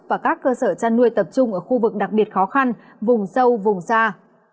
và các cơ sở chăn nuôi tập trung ở khu vực đặc biệt khó khăn vùng sâu vùng xa